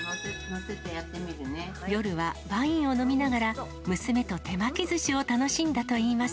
夜はワインを飲みながら、娘と手巻きずしを楽しんだといいます。